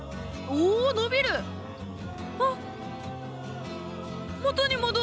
お伸びる！あっ。